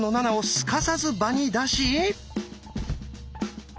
すかさず場に出し。